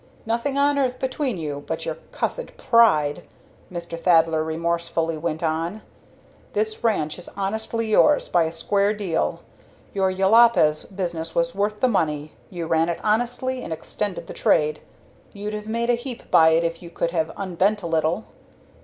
"Nothing on earth between you but your cussed pride!" Mr. Thaddler remorselessly went on. "This ranch is honestly yours by a square deal. Your Jopalez business was worth the money you ran it honestly and extended the trade. You'd have made a heap by it if you could have unbent a little.